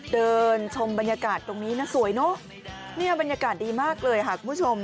เดินชมบรรยากาศตรงนี้นะสวยเนอะเนี่ยบรรยากาศดีมากเลยค่ะคุณผู้ชม